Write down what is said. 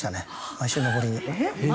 毎週登りに。